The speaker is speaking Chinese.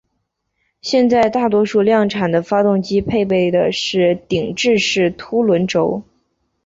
现在大多数量产车的发动机配备的是顶置式凸轮轴。